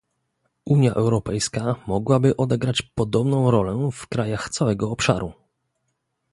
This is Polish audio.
Unia Europejska mogłaby odegrać podobną rolę w krajach całego obszaru